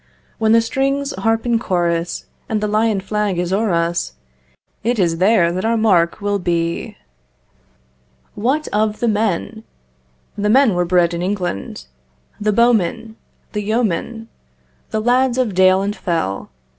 When the strings harp in chorus, And the lion flag is o'er us, It is there that our mark will be. What of the men? The men were bred in England: The bowmen—the yeomen, The lads of dale and fell.